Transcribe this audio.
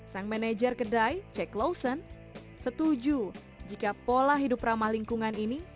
sang manajer kedai jack lawson setuju jika pola hidup ramah lingkungan ini